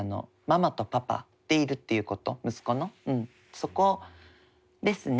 そこですね。